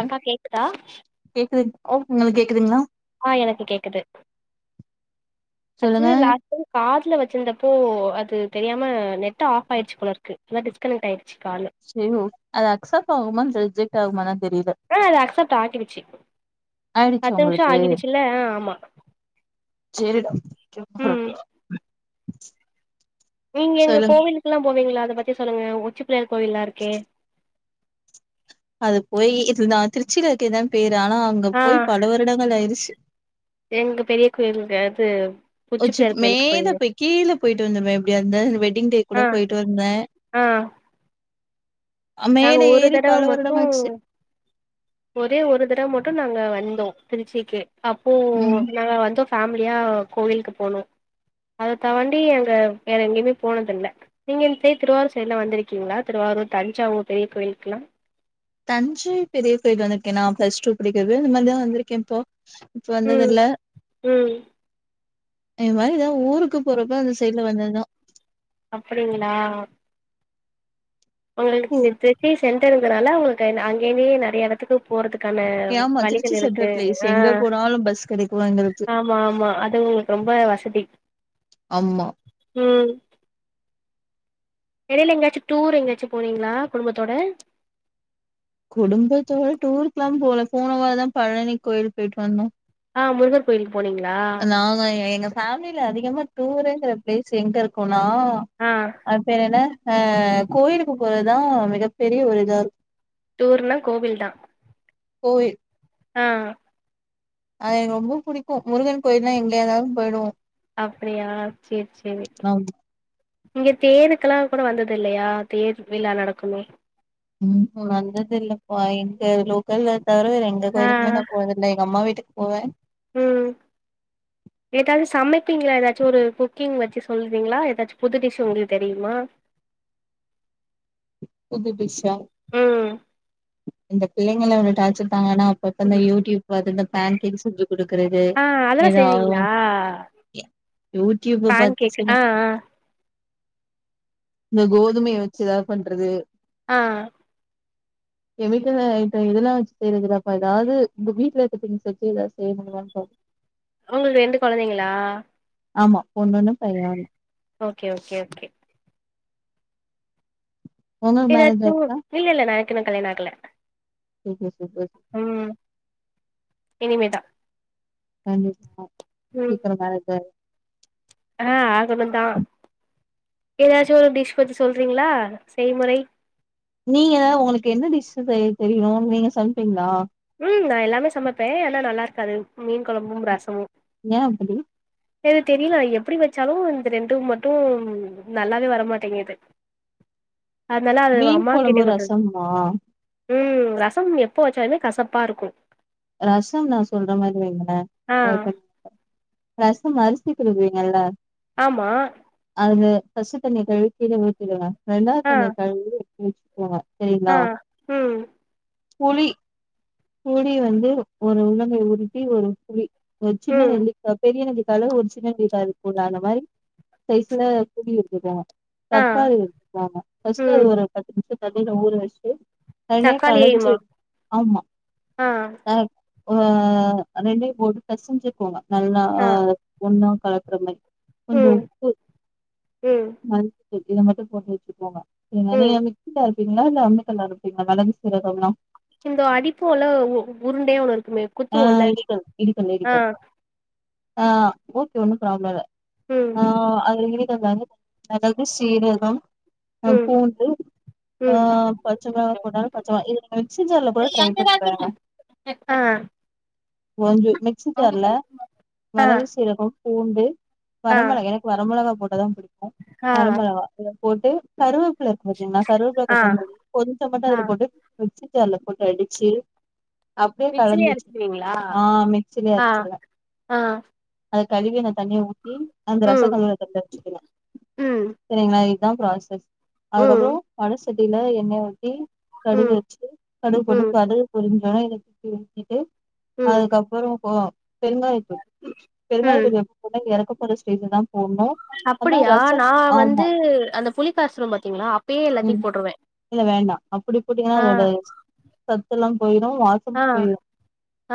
அக்கா கேக்குதா கேக்குதுங் ஓ உங்களுக் கேக்குதுங்களா ஆ எனக்கு கேக்குது அச்சு சொல்லுங்க லா காதுல வச்சிருந்தப்போ அது தெரியாம நெட்டு ஆஃப் ஆயிடுச்சு போல இருக்கு [unintelligible] டிஸ்கனெக்ட் ஆயி ச்சு காலு சே ஒ அது அக்சப்ட் ஆகுமா ரிஜக்ட் ஆகுமா தா தெரில ஆ அது அக்சப்ட் ஆட்டிவிச்சு ஆயிடுச்சு பத்து நிமிஷஷோ உங்களுக்கு ஆகிடுச்சுல்ல அ ஆமா சேரிடா [inaudible] ம் நீங்க இங்க கோவிலுக்குல்லா போவீங்களா அத பத்தி சொல்லுங்க உச்சிப்பிள்ளையார் கோவில்லா இருக்கே அது போய் இது நா திருச்சில இருக்கதா பேரு ஆனா அங்க ஆ போய் பல வருடங்கள் ஆயிடுச்சு எங்க பெரிய கோயிலுக்கு அது உச்சி பிள்ளையார் கோயிலுக்கு மேல போயிருந்தோ போய் கீழே போயிட்டு வந்தமே எப்டியா இந்த வெட்டிங் டே ஆ கூட போயிட்டு வந்த ஆ அ, நாங்க மேல ஒரு ஏறி தடவ பல மட்டு வருடமாச்சு ஒரே ஒரு தடவ மட்டு நாங்க வந்தோ திருச்சிக்கு அப்போ ம் நாங்க வந்தோ ஃபேமிலியா கோவிலுக்கு போனோ அத தவாண்டி அங்க வேற எங்கியுமே போனதுல்ல நீங்க இந்த சைட் திருவாரூ சைடு்லா வந்துருக்கீங்களா திருவாரூர் தஞ்சாவூர் பெரிய கோயிலுக்கெல்லா தஞ்சை பெரிய கோயில் வந்துருக்கே நா பிளஸ் டூ படிக்கிறது இது மாரிதா வந்துருக்கே இப்போ இப்ப வந்தது ம் இல்ல ம் இது மாரி எதோ ஊருக்குப் போறப்ப அந்த சைட்ல வந்ததுதா அப்படிங்களா உங்களுக்கு ஓ ச திருச்சி சென்டருங்கிறனால உங்களுக்கு அங்கயவே நெறைய எடத்துக்கு போறதுக்கான ஆமா திருச்சி வழிகள் இருக்கு சென்ட்ரல் பிளேஸ் ஆ எங்க போனாலும் பஸ் கிடைக்கும் எங்களுக்கு ஆமா ஆமா அதுவு ரொம்ப வசதி ஆமா ம் எடையில எங்காச்சு டூர் எங்காச்சு போனீங்களா குடும்பத்தோட குடும்பத்தோட டூருக்கெல்லா போல போன வாரந்தா பழனி கோயிலுக் போயிட்டு வந்தோ ஆ முருகர் கோயிலு போனீங்களா நாங்க எங்க ஃபேமிலில அதிகமா டூருங்க பிளேஸ் எங்க இருக்குன்னா ஆ அது பேர் என்ன ஆ கோயிலுக்கு போறதுதா மிகப் பெரிய ஒரு இதாருக் டூர்னா கோவில்தா கோயில் ஆ அது எனக்கு ரொம்ப புடிக்கு முருகன் கோயில்னா எங்கேருந்தாலு போயிடுவோ அப்டியா சேரி சேரி நான் இங்க தேருக்கெல்லா கூட வந்தது இல்லையா தேர் விழா நடக்குமே ம் வந்தது இல்லப்பா இங்க லோ கோயில தவர வேற எந்த ஆ கோயிலுக்குமே நா போனதில்ல எங்க அம்மா வீட்டுக்கு போவே ம் ஏதாது சமைப்பீங்ளா ஏதாச்சு ஒரு குக்கிங் வச்சு சொல்றீங்ளா ஏதாச்சு புது டிஷ்ஷு உங்களுக்கு தெரியுமா புது டிஷ்ஷா ம் இந்த பிள்ளைங்களோட டாச்சர் தாங்க நா ஒருத்தந்த யூடியூப் பாத்து இந்த பேன் கேக் செஞ்சு குடுக்குறது ஆ அதெல்லா எதா செய்வீங்களா ஒன் யூடியூப்ப பேன் பாத்து கேக் ஆ செய்வே ஆ இந்த கோதுமைய வெச்சு ஏதாது பண்றது ஆ கெமிக்கல் ஐட்டோ இதெல்லா வச்சு செய்றதுலப்பா ஏதாது உங்க வீட்ல இருக்க திங்ஸ் வச்சு எதா செய்ய முடிமானு பாப் உங்களுக் ரெண்டு கொழந்தைங்களா ஆமா பொண்ணு ஒன்னு பைய ஒன்னு ஓகே ஓகே ஓகே உங்களுக்கு மேரேஜ் எதாச்சோ ஆயிருச்சா இல்ல இல்ல நா எனக்கின்னோ கல்யாணோ ஆகல கேக்லா சூப்ராக்கு ம் இனிமேதா [unintelligible] ம் கடவுள் மேல இருக்காரு ஆ ஆகனு தா ஏதாச்சு ஒரு டிஷ் பத்தி சொல்றீங்ளா செய்முறை நீங்க உங்குளுக்கு என்ன டிஷ் செய்ய தெரியு நீங்க சமைப்பீங்ளா ம் நா எல்லாமே சமைப்பே ஆனா நல்லா இருக்காது மீன் கொழம்பும் ரசமும் ஏ அப்புடி எது தெரில எப்டி வெச்சாலு இந்த ரெண்டு மட்டோ நல்லாவே வரமாட்டேங்குது அதனால அது மீன் அம்மா கொழம்பு கிட்டவுட்டுறது ரசமா ம் ரசம் எப்போ வெச்சாலுமே கசப்பா இருக்கோ ரசம் நா சொல்ற மாரி வெய்ங்களே ஆ ட்ரை பண்ணி பாருங்க ரசம் அரிசி கழுவீங்கள ஆமா அது ஃபஸ்டு தண்ணிய கழுவி கீழ ஊத்திருங்க ரெண்டாது ஆ தண்ணிய கழுவி வெச் சுக்கோங்க ஆ செரிங்ளா ம் புளி புளி வந்து ஒரு உள்ளங்கை உருட்டி ஒரு புளி ஒரு சின்ன ம் நெல்லிக்கா பெரிய நெல்லிக்கால ஒரு சின்ன நெல்லிக்கா இருக்கோல அந்த மாரி ஸைஸ்ல புளி எடுத்துகோங்க ஆ தக்காளி எடுத்துக்கோங்க ஃபர்ஸ்ட்டு அத ம் ஒரு பத்து நிம்ஷோ தண்ணில ஊற வெச்டு தக்காளியையுமா ஆ ஆ ஒரு ரெண்டையு போட்டு பெசஞ்சுக்கோங்க நல்லா ஆ ஒண்ணா கலக் குற மாரி கொஞ்சோ ம் உப்பு ம் மஞ்சத்தூள் இத மட்டோ போட்டு வெச்சுகோங்க நீங்க நறைய ம் மிக்ஸில அரைப்பீங்ளா இல்ல அம்மிகல்ல அரைப்பீங்ளா மெளகு சீரகம்லா நம்போ அடிப்போல உருண்டையா ஒண்ணு இருக்குமே ஆ குத்துவோல இடிக்கல் இடிக்கல் ஆ இடிக்கல் ஆ ஓகே ஒண்ணு ப்ராப்ளோ இல்ல ம் ஆ அது இடிக்கதானே மெளகு சீரகம் ஆ ம் பூண்டு ஆ ம் பச்ச மெளகு போட்டாலு ப்ரச்சனல்ல இது நீங்க மிக்ஸி ஜார்ல கூட ட்ரை பண்ணி பாருங்க ஆ ஓஞ்சி மிக்சி ஜார்ல ஆ மிளகு சீரகம் பூண்டு ஆ வரமெளகா எனக்கு வரமெளகா போட்டாதா பிடிக்கோ வரமெளகா எல்லா போட்டு கருவேப்பில இருக்கு பாத்தீங்களா கருவேப்பில ஆ ஆ கொத்தமல்லி கொஞ்சமாதா ஆ இதுல போட்டு மிக்ஸி ஜார்ல போட்டு அடிச்சு அப்டியே கலந்து மிக்சிலயே வெச்சிடுவ அரச்சிருவீங்களா ஆ மிக்சிலயே ஆ அரச்சிடுவ ஆ அத கழுவி அந்த தண்ணிய ஊத்தி அந்த ரச ம் [unintelligible] ம் செரிங்களா இதா பிராசஸ் அதுக்கப்புறோ ம் வட சட்டில எண்ணெய் ஊத்தி கடுகு ம் வெச்சு கடுகு போட்டு ம் கடுகு பொரிஞ்ச வொன்னே இத நிறுத்திட்டு ம் அதுக்கப்புறோ போட்னோ பெருங்காயப்பொடி ம் பெருங்காயப்பொடி எப் கொண்டாந்து எறக்க போற ஸ்டேஜ்லதா போட்ணோ அப்புடியா நா வந்து அந்த புளிக்காசரோ பாத்தீங்களா அப்பயே எல்லாத்தையு ம் போட்ருவே இல்ல வேண்டா அப்புடி போட்டீங்கன்னா அதோட சத்துலா போயிடோ வாசமு ஆ போயிடோ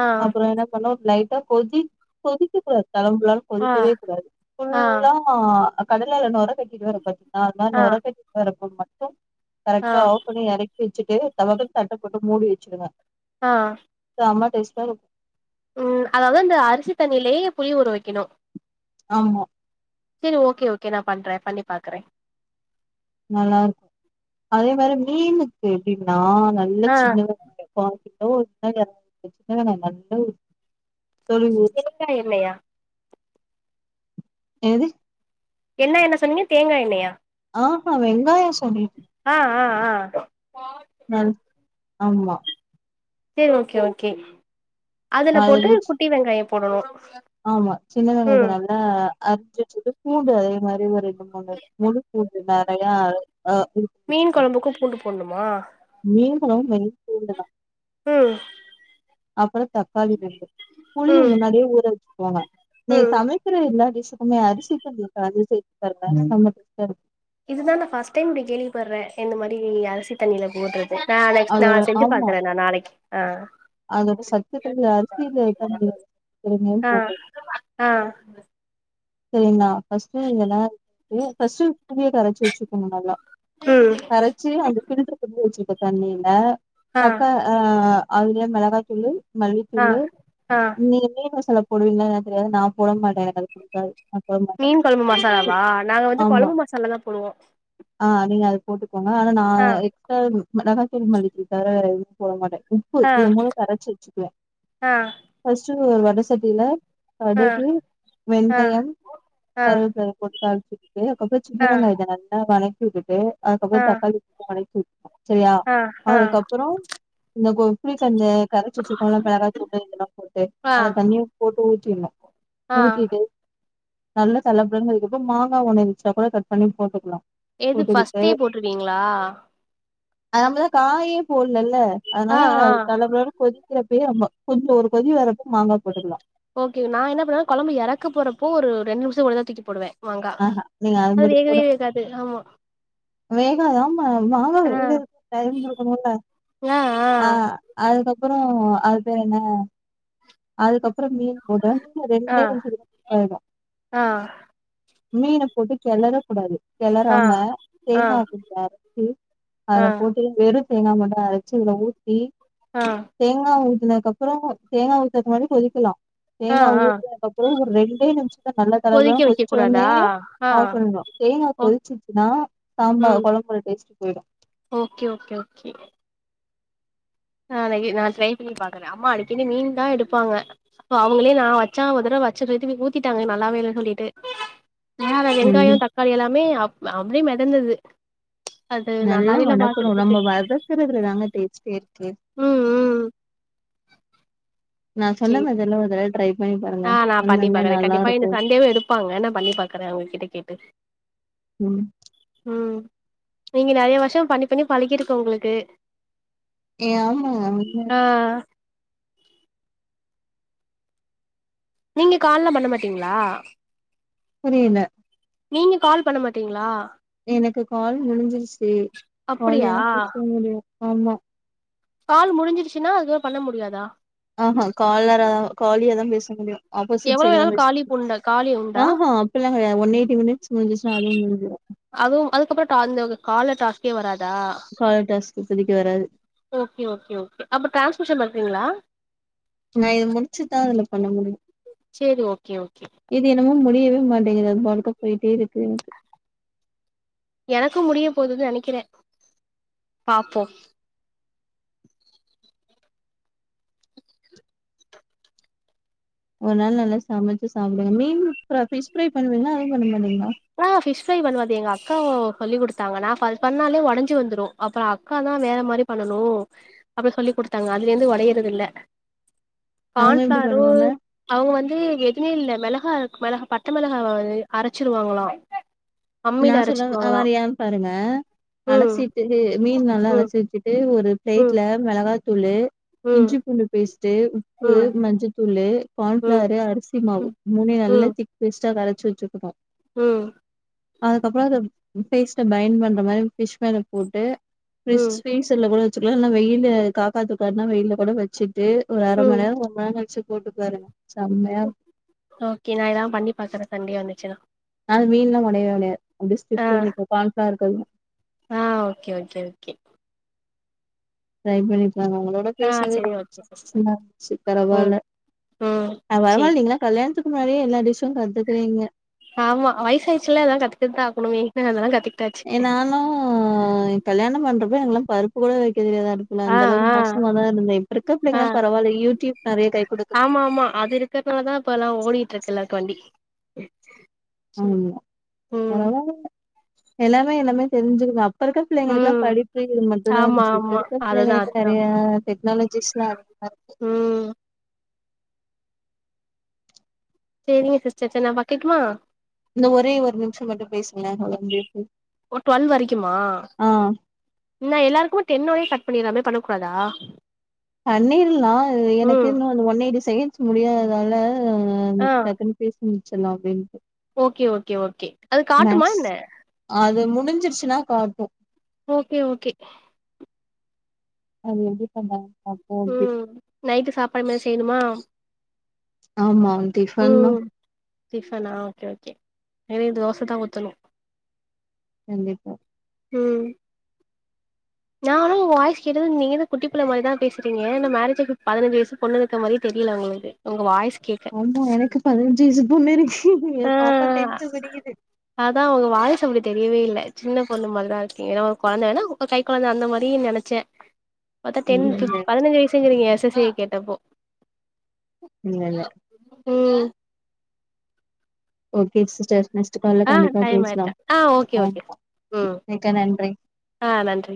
ஆ அப்புறோ என்ன பண்ணோ லைட்டா கொதி கொதிக்கக் கூடாது தலம்புலானு ஆ கொதிக்கவே கூடாது ஆ ஃபுல்லா ஆ கடலேல நொரக் கட்டிட்டு வரு பாத்தீங்னா அது மாரி ஆ நொரக் கட்டிட்டு வரப்ப மட்டு ஆ கரெக்டா ஆஃப் பண்ணி எறக்கி வச்சுட்டு டபக்குனு தட்டப் போட்டு மூடி வச்சிடுங்க ஆ செம டேஸ்ட்டா இருக்கு ம் அதாவது அந்த அரிசி தண்ணிலேயே புளி ஊற வைக்கணு ஆமா செரி ஓகே ஓகே நா பண்றே பண்ணி பாக்குறே நல்லாருக்கு அதே மாரி மீனுக்கு எப்டினா நல்ல ஆ சின்ன வெங்காயோ பா உங்கிட்ட ஒரு சின்ன வெங்காய ஒரு சின்ன வெங்காய நல்லா உரி தொலிவு தேங்கா இல்லையா எது என்ன எண்ணெய் சொன்னீங்கா தேங்கா எண்ணெய்யா ஆ ஹா வெங்காயோ சொல்லிட்டு அ அ அ நல் ஆம்மா செரி ஓகே ஓகே அதுல போட்டு அது குட்டி வெங்காய போடணு ஆமா சின்ன வெங்காயத்த ம் நல்லா அரிஞ்சி வச்சுட்டு பூண்டு அதே மாரி ஒரு அம்மாங்க முழு பூண்டு நெறைய அ இரு மீன் கொழம்புக்கு பூண்டு போடணுமா மீன் கொழம்பு மெயின் பூண்டு தா ம் அப்றோ தக்காளி ரெண்டு புளிய ம் முன்னாடியே ஊற வச்சுக்கோங்க நீங்க ம் சமைப் அப்பற எல்லா டிஷுக்குமே அரிசி கழுவுற தண்ணிய சேத்து பாருங்களே செம டேஸ்ட்டாருக்கு இதுதா நா ஃபஸ்ட்டு டைம் இப்டி கேள்விப்படுறே இந்த மாரி அரிசி தண்ணில போடுற நா நெக்ஸ்ட் நா அதோட செஞ்சு ஆமா. பாக்குறே நா நாளைக்கி ஆ அதோட சத்துகள்ல அரிசில தா முடியாது வேற எங்கையு ஆ போகாது ஆ செரி நா ஃபஸ்ட்டு இதல்ல எடுத்துட்டு ஃபஸ்ட்டு புளியகரச்சு வச்சுக்கணு நல்லா ம் கரச்சு அந்த பில்டர் பண்ணி வச்சிருக்க தண்ணில தக்கா ஆ அதுல மெளகா தூளு ஆ மல்லித்தூளு ஆ நீ மீன் மசாலா போடுவிங்களா என்னனு தெரியாது நா போட மாட்டே எனக்கு அது புடிக்காது நா போட மாட்டே மீன் கொழம்பு மசாலாவா நாங்க வந்து ஆமா கொழம்பு மசாலா தா போடுவோ ஆ நீங்க அத போட்டுக்கோங்க ஆனா நா ஆ க் சிஸ்டர் மெளகா தூள் மல்லித்தூள் தவர வேற எதும் போட மாட்டே ம் உப்பு ஆ இது மூணு கரச்சு வச்சுக்குவே ஆ ஃபஸ்ட்டு ஒரு வட சட்டில ஆ கடுகு ஆ வெந்தயம் ஆ கருவேப்பல போட்டு தாளிச்சு வுட்டுட்டு அதுக்கப்பறோ ஆ ஆ சின்னவெங்காயத்த நல்லா வணக்கி விட்டுட்டு அதுக்கப்பறோ தக்காளி வணக்கி வுட்னு செரியா ஆ ஆ அதுக்கப்பறோ இந்தப் கோ புளிக்கந்த கரச்சி வச்சிருக்கோல்ல மெளகாய போட்டு இதெல்லா போட்டு ஆ அத தண்ணிய போட்டு ஊத்திர்னு ஆ ஊத்திட்டு நல்லா தலபுல இருக்கிறப்ப மாங்கா ஒன்னு இருந்ச்சுன்னா கூட கட் பண்ணி போட்டுக்கலா எது ஃபஸ்ட்டே போட்டுருவீங்களா அ நம்ம தா காயே போடலல்ல ஆ அதனால ஆ தல புலனு கொதி க்கிறப்பயே நம்ப கொஞ்சோ ஒரு கொதி வரப்ப மாங்கா போட்டுக்கலா ஓகே நா என்ன பண்ணுவே கொழம்பு எறக்க போறப்போ ஒரு ரெண்டு நிமிஷ மொதல தூக்கி போடுவே மாங்கா அ ஹ நீங்க அதுக்கு அது முன்னாடி வேகவே போடக் வேகாது ஆமா வேகா தாம்மா மாங்கா ஆ வேகறத்துக்கு டைம் கொடுக்கணுல்ல ஆ அ அதுக்கப்புறோ அது பேர் என்ன அதுக்கப்புறோ மீ ஒரு [unintelligible] ஆ ஆ ரெண்டே நிமிஷத்துல குக் ஆயிடு ஆ மீன போட்டு கெளற கூடாது ஆ கெளறாம ஆ தேங்கா பூ சாறு அரச்சு அத ஆ போட்டு வெறு தேங்கா மட்டு அர சு இதுல ஊத்தி ஆ தேங்கா ஊத்துனக்கு அப்புறோ தேங்கா ஊத்தறக்கு முன்னாடி கொதிக்கலா ஆ தேங்கா ஆ ஊத்தனக்கப்புறோ ஒரு ரெண்டே நிமிஷத்துல நல்ல கொதிக்க தலதலன்னு வைக்க கொதிச்ச கூடாதா ஒனே ஆ ஆஃப் பண்ணு தேங்கா ஓ கொதிச்சுச்சுன்னா ம் சாம்பார் கொழம்போட டேஸ்ட் போயிடு ஓகே ஓகே ஓகே நா இன்னைக்கி நா ட்ரை பண்ணி பாக்குறே அம்மா அடிக்கடி மீன் தா எடுப்பாங்க இப்போ அவுங்களே நா வச்சா ஒரு தடவ வச்செ சொல்லிட்டு போய் ஊத்திட்டாங்க நல்லாவே இல்ல சொல்லிட்டு மேல வெங்காயோ ம் தக்காளி எல்லாமே அப் அப்டியே மெதந்தது அது நல்லா நல்லாவே இல்ல வணக்கணு பாக்குறதுக்கு நம்ப வத க்குறதுளதாஙக டேஸ்டே இருக்கு ம் ம் நா சொன்ன சேரி மெதட்ல ஒரு தட்வ ட்ரை பண்ணி பாருங்க ஆ நா பண்ணி உண்மையாலுமே பாக்கறே நல்லா கண்டிப்பா இந்த இருக்கு சண்டேவே எடுப்பாங்க நா பண்ணி பாக்குறே அவங்க கிட்ட கேட்டு ம் ம் நீங்க நெறைய வருஷோ பண்ணி பண்ணி பழகிருக்கோ உங்களுக்கு ஏ ஆமா ஆ [unintelligible] நீங்க கால்லா பண்ண மாட்டீங்களா புரியில நீங்க கால் பண்ண மாட்டீங்களா எனக்கு கால் முடிஞ்சிருச்சு அப்படியா காலியாதா பேச முடியு ஆமா கால் முடிஞ்சடுச்சுனா அதுகப் பண்ண முடியாதா ஆஹா கால்லரா கால்லியா தா பேச முடியு ஆப்போசிட் சைடு தா பேச காலியு ஆஹா அப்பில்லா கெடையா ஒன் எயிட்டி மினிட்ஸ் முடிஞ்சுச்சுன்னா அதுவே முடிஞ்சுரு அதுவு அதுக்கப்புறோண்டு அந்த காலர் டாஸ்க்கே வராதா காலர் டாஸ்க் இப்போதைக்கு வராது ஓகே ஓகே ஓகே அப்போ ட்ரான்ஸ்க்ரிப்ஷன் பண்றீங்களா நா இது முடிச்சுதா அதுல பண்ண முடியு சேரி ஓகே ஓகே இது என்னமோ முடியவே மாட்டேங்கது அது பாட்டுக்கு போயிட்டே இருக்கு எனக்கு எனக்கு முடிய போகுது நெனைக்கிறே பாப்போ ஒரு நாள் நல்லா சமச்சு சாப்டுங்க மீன் ஃப்ரா பிஷ் ஃப்ரை பண்ணுவீங்களா அதுவு பண்ண மாட்டீங்களா ஆ ஃபிஷ் ஃப்ரை பண்ணுவே அது எங்க அக்கா சொல்லி குடுத்தாங்க நா ஃபர் பண்ணாலே ஒடஞ்சு வந்துரு அப்புறோ அக்கா தா வேற மாரி பண்ணனு அப்பறோ சொல்லி குடுத்தாங்க அதுல இருந்து ஒடையறது இல்ல அவங்க எப்டி கான்ஃப்ளாரு பண்ணுவாங்க அவங்க வந்து எதுமே இல்ல மெளகா மெளகா பச்ச மெளகாவ அரச்சிருவாங்களா நா சொல்ல அ மாரியானு பாருங்க ம் அலசிட்டு மீன் நல்லா ம் அலசி வச்சுட்டு ஒரு ம் பிளேட்ல மெளகாத்தூளு ம் இஞ்சி பூண்டு பேஸ்ட்டு உப்பு ம் மஞ்சத்தூளு கார்ன் ம் ஃபிளவரையு அரிசி மாவு ம் மூணையு நல்லா ம் திக் பேஸ்டா கரச்சு வெச்சுக்குரோ ம் அதுக்கப்புறோம் அத ஃபேஸ்ட பைண்ட் பண்ற மாரி ஃபிஷ் மேல போட்டு ஃபரீஸ் ம் ஃப்ரீஸர்ல கூட வெசசுக்குலா இல்ல வெயிலு காக்கா தூக்காதுனா வெயில்ல கூட வெச்சுட்டு ஒரு அர ம் மணி நேர ஒரு மணி நேரோ கழிச்சு போட்டு பாருங்க செம்மயா இரு ஓகே நா இதலா பண்ணி பாக்குறே சண்டே வந்துச்சுனா அது மீன்லா ஒடையவே ஒடையாது அப்டியே ஆ ஸ்டிஃப்பா நிக்கு கான்பிளார்க்கு அதுவு ஆ ஓகே ஓகே ஓகே ட்ரை பண்ணி பாருங்க அவளோ ஒங்க கூட ஆ பேஸ்னது சரி ரொம்ப ஓகே சிஸ்டர் சந்தோசமா இருந்துச்சு ம் பரவால்ல ம் நா சேரி வரமால் நீங்ள கல்யாணத்துக்கு முன்னாடியே எல்லா டிஷ்ஷு கத்துக்குறீங்க ஆமா வயசாயிச்சுல்ல அதா கத்துக்கட்டுதா ஆகனு வீட்ல இருந்தாதா கத்து ஏ நானு‌ எ கல்யாணம் பண்றப்போ எனக்கெல்லா பருப்பு கூட வக்க தெரியாது அடுப் புல ஆ அந்தளவுக்கு ஆ மோசமா தா இருந்தே இப்ப இருக்கற புள்ளைங்களா பரவால்லை யூடியூப் நெறைய கை குடுக்குது ஆமாமா அது இருக் கதுனால தா இப்பல்லா ஓடிட்டு இருக்கு எல்லாருக்கு வண்டி ஆமா ம் பரவா இல்ல எல்லாமே எல்லாமே தெரிஞ்சுருக்கோ இப்ப இருக்க பிள்ளைங்களுக்கல்லா ம் படிப்பு இது மட்டுந் தா ஆமா இருந்துச்சு இப்ப ஆமா இருக்கற அதுதா பிள்ளைங்களுக்கு அதுதா நெறையா டெக்னாலஜிஸ்லா [inaudible] ம் சேரிங்க சிஸ்டர் சரி நா வக்கட்டுமா இந்த ஒரே ஒரு நிமிஷோ மட்டு பேசுங்களே அவ்ளோதா முடிய போது ஒரு ஆ நம்ம எல்லாருக்குமே டென்னோடயே கட் பண்ணிற்லாமே பண்ண கூடாதா பண்ணீர்ல்லா எனக்கு இன்னு அந்த ஒன் எயிட்டி செகண்ட்ஸ் முடியாததால அ ஆ டக்குனு பேசி முடிச்சற்லா அப்டின்ட்டு ஓகே ஓகே ஓகே அது காட்டுமா மேக்ஸ் என்ன அது முடிஞ்சுருச்சுனா காட்டு ஓகே ஓகே அது இது பண்ணாங்க அப்போதி ம் நைட்டு சாப்பாடு இனிமே செய்யணுமா ஆமா டிஃபன் தா ம் டிஃபனா ஓகே ஓகே இது தோச தா ஊத்தணு கண்டிப்பா ம் நானு வாய்ஸ் கேட்டது நீங்கதா குட்டிபுள்ள மாரிதா பேசுறிங்க இன்னு மேரேஜுக்கு பதினஞ்சு வயசு பொண்ணு இருக்க மாரியே தெரியல ஒங்களுக்கு ஒங்க வாய்ஸ் கேக்க பதனஞ்சு வயசு பொண்ணு இருக்கு எ ஆ பாப்பா டென்த் படிக்குது அதா ஒங்க வாய்சு அப்டி தெரியவே இல்ல சின்ன பொண்ணு மாரிதா இருக்கீங்க ஏனா ஒரு கொழந்த வேனா இப்ப கை கொழந்த அந்த மாரி நெனச்சே பாத்தா இல்ல டென்த்து இல்ல பதனஞ்சு வயசுங்கறீங்க எஸ் எஸ் சி கேட்டப்போ இல்ல இல்ல ம் ஓகே சிஸ்டர் நெக்ஸ்ட்டு கால்ல ஆ கண்டிப்பா டைம் ஆயிடுச்சா பேசலாம் ஆ ஓகே அ ஓகே ம் மிக்க நன்றி ஆ நன்றி